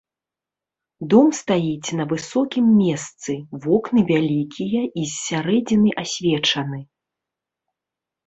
Дом стаіць на высокім месцы, вокны вялікія і з сярэдзіны асвечаны.